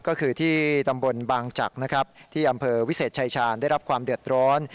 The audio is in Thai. ก็คือที่ตำบลบางจักรนะครับที่อำเภอวิเศษชายชาญได้รับความเดือดร้อน